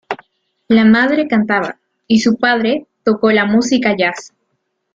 La madre cantaba y su padre tocó la música jazz.